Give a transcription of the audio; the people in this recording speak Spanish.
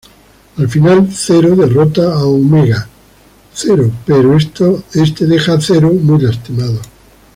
Al final Zero derrota a Omega Zero, pero este deja a Zero muy lastimado.